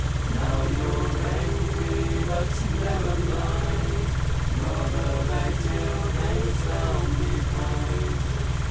Now you're angry, but never mind, Brother, thy tail hangs down behind!